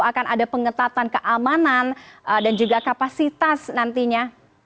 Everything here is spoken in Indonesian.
akan ada pengetatan keamanan dan juga kapasitas nantinya